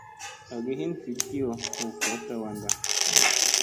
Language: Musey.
Agi hin vit kiyo hu votta wan da.